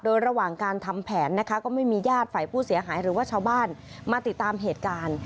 โดยระหว่างการทำแผนนะคะก็ไม่มีญาติฝ่ายผู้เสียหายหรือว่าชาวบ้านมาติดตามเหตุการณ์